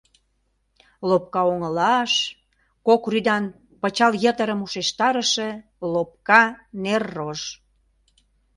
Лопка оҥылаш, кок рӱдан пычал йытырым ушештарыше лопка неррож.